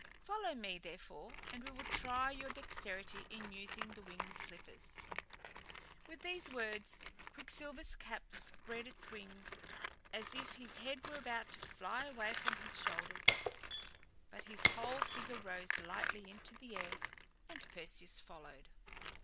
Follow me, therefore, and we will try your dexterity in using the winged slippers." With these words, Quicksilver's cap spread its wings, as if his head were about to fly away from his shoulders; but his whole figure rose lightly into the air and Perseus followed.